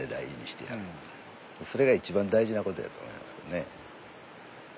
それが一番大事なことやと思いますけどね。